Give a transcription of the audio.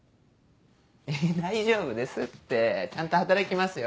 大丈夫ですってちゃんと働きますよ。